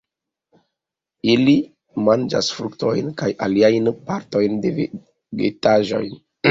Ili manĝas fruktojn kaj aliajn partojn de vegetaĵoj.